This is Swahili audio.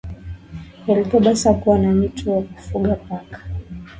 Elagabalus hakuwa tu mtu wa kufuga paka